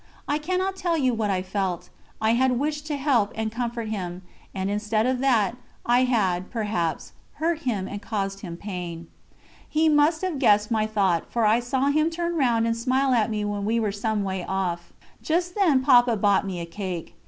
I cannot tell you what I felt; I had wished to help and comfort him, and instead of that, I had, perhaps, hurt him and caused him pain. He must have guessed my thought, for I saw him turn round and smile at me when we were some way off. Just then Papa bought me a cake.